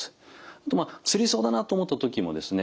あとつりそうだなと思った時もですね